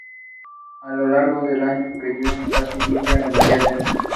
It was there that his talent for art was discovered.